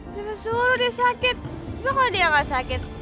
sama suruh dia sakit bukannya dia gak sakit